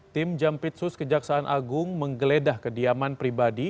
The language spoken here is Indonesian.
tim jampitsus kejaksaan agung menggeledah kediaman pribadi